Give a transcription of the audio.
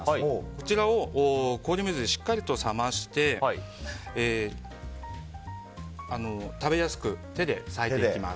こちらを氷水でしっかりと冷まして食べやすく手で裂いていきます。